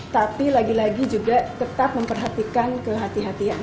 tapi lagi lagi juga tetap memperhatikan kehatian kehatian